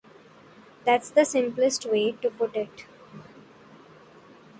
That's the simplest way to put it.